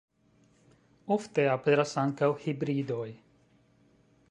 Ofte aperas ankaŭ hibridoj.